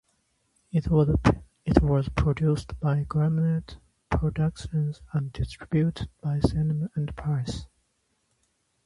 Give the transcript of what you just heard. It was produced by Grammnet Productions and distributed by Cheyenne Enterprises.